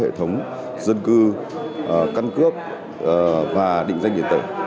ba hệ thống dân cư căn cướp và định danh nhiệt tệ